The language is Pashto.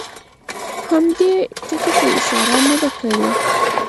هم دې ټکي ته اشاره نه ده کړې.